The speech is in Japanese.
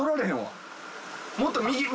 もっと右。